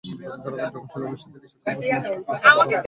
যখন শিলাবৃষ্টিতে কৃষকের ফসল নষ্ট হলো, সরকার তাদের জন্য কিছুই করল না।